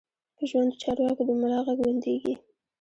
په ژوندو چارواکو د ملا غږ بندېږي.